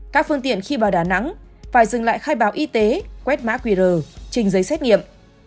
các phương tiện khi vào đà nẵng phải dừng lại khai báo y tế quét mã qr trình giấy xét nghiệm